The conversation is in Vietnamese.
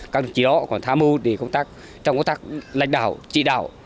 các đồng chí đó còn tham mưu để công tác trong công tác lãnh đạo chỉ đạo